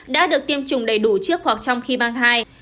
đã được tiêm chủng đầy đủ trước hoặc trong khi mang thai